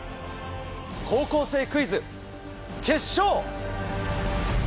『高校生クイズ』決勝！